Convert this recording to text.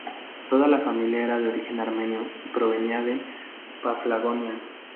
Toda la familia era de origen armenio y provenía de Paflagonia.